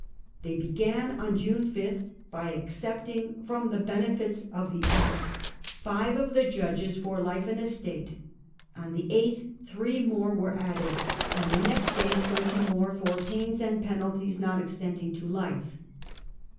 They began on June 5 by excepting from the benefits of the Act five of the judges 'for life and estate* ; on the 8th three more were added; and the next day twenty more, 2 * 4 for pains and penalties not extending to life.